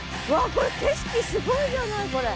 これ景色すごいじゃないこれ！